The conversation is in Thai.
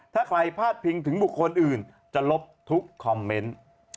ถ้าใครพาดพิงถึงบุคคลอื่นจะลบทุกคอมเมนต์